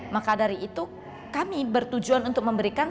maka dari itu kami bertujuan untuk memberikan